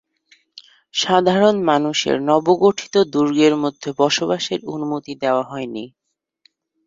সাধারণ মানুষদের নবগঠিত দুর্গের মধ্যে বসবাসের অনুমতি দেওয়া হয়নি।